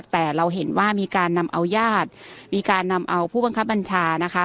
แต่เราเห็นว่ามีการนำเอาญาติมีการนำเอาผู้บังคับบัญชานะคะ